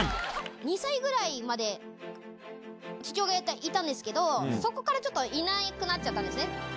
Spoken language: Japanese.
２歳ぐらいまで、父親がいたんですけど、そこからちょっと、いなくなっちゃったんですね。